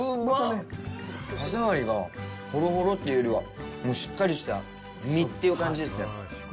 歯触りが、ほろほろというよりはしっかりした身っていう感じですね。